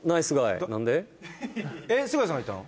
えっ須貝さんが行ったの？